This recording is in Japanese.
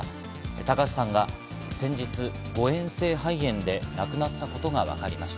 高橋さんは先日、誤えん性肺炎で亡くなったことがわかりました。